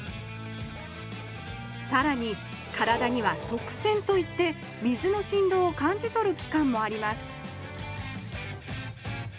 さらに体には側線といって水のしんどうを感じ取る器官もあります